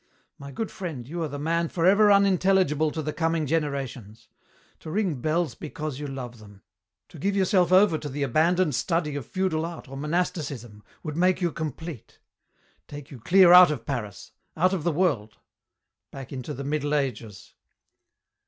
My good friend, you are the man forever unintelligible to the coming generations. To ring bells because you love them, to give yourself over to the abandoned study of feudal art or monasticism would make you complete take you clear out of Paris, out of the world, back into the Middle Ages."